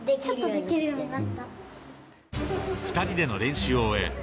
２人での練習を終え